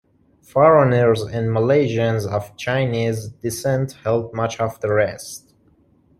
Foreigners and Malaysians of Chinese descent held much of the rest.